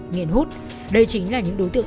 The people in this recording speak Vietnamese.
nghiện hút đây chính là những đối tượng